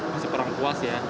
masih kurang puas ya